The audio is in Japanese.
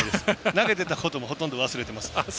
投げてたこともほとんど忘れてます。